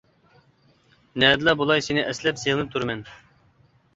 نەدىلا بولاي سېنى ئەسلەپ، سېغىنىپ تۇرىمەن.